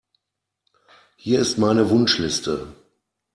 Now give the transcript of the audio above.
Hier ist meine Wunschliste.